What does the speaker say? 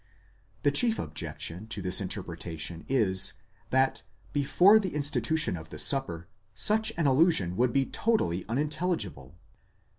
® The chief ob jection to this interpretation is, that before the institution of the supper, such an allusion would be totally unintelligible.